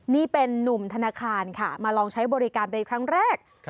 นี่เป็นนุ่มธนาคารค่ะมาลองใช้บริการเป็นครั้งแรก